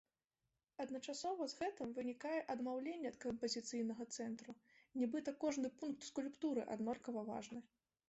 Адначасова з гэтым вынікае адмаўленне ад кампазіцыйнага цэнтру, нібыта кожны пункт скульптуры аднолькава важны.